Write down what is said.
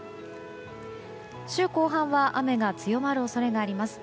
週後半は雨が強まる恐れがあります。